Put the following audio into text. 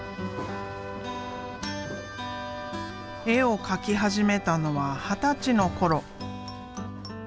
絵を描き始めたのは二十歳の頃。